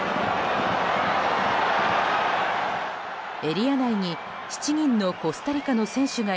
エリア内に７人のコスタリカの選手が